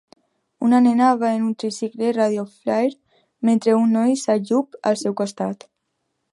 Una nena va en un tricicle Radio Flyre mentre un noi s'ajup al seu costat.